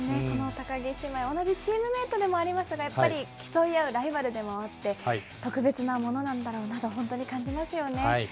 この高木姉妹、同じチームメートでもありますが、やっぱり競い合うライバルでもあって、特別なものなんだろうなと本当に感じますよね。